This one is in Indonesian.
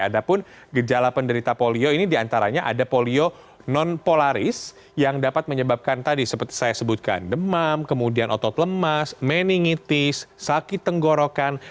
ada pun gejala penderita polio ini diantaranya ada polio nonpolaris yang dapat menyebabkan tadi seperti saya sebutkan demam kemudian otot lemas meningitis sakit tenggorokan